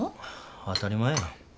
当たり前やん。